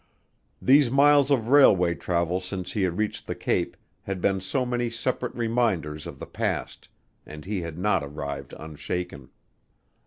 These miles of railway travel since he had reached the Cape had been so many separate reminders of the past and he had not arrived unshaken.